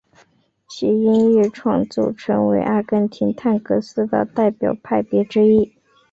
其音乐创作成为阿根廷探戈四大代表派别之一。